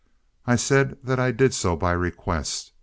"I said that I did so by request.